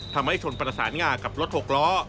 ทำให้ชนประสานงากับรถหกล้อ